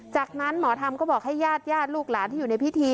จากนั้นหมอธรรมก็บอกให้ญาติญาติลูกหลานที่อยู่ในพิธี